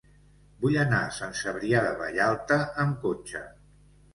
Vull anar a Sant Cebrià de Vallalta amb cotxe.